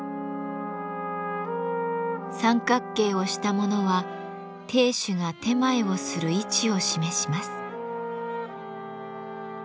三角形をしたものは亭主が点前をする位置を示します。